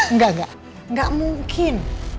enggak enggak enggak mungkin